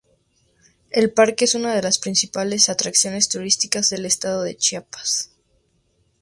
El parque es una de las principales atracciones turísticas del estado de Chiapas.